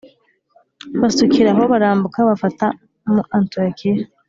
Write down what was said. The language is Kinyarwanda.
Basukira aho barambuka bafata mu Antiyokiya